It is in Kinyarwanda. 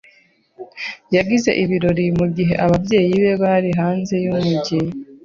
yagize ibirori mugihe ababyeyi be bari hanze yumujyi.